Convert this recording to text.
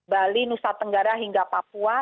bali nusa tenggara hingga papua